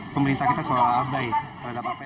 pemerintah kita selalu abai terhadap apa yang terjadi